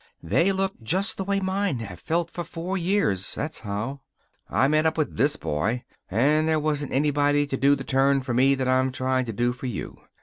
They look just the way mine have felt for four years, that's how. I met up with this boy, and there wasn't anybody to do the turn for me that I'm trying to do for you.